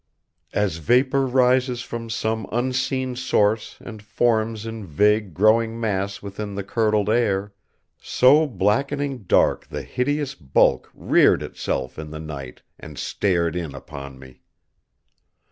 As vapor rises from some unseen source and forms in vague growing mass within the curdled air, so blackening dark the hideous bulk reared Itself in the night and stared in upon me.